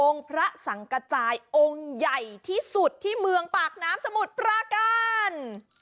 พระสังกระจายองค์ใหญ่ที่สุดที่เมืองปากน้ำสมุทรปราการ